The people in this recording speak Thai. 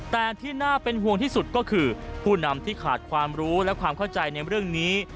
แต่ที่น่าเป็นห่วงที่สุดก็คือผู้นำที่ขาดความรู้และความเข้าใจในเรื่องนี้